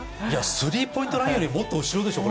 スリーポイントラインよりも、もっと後ろでしょう。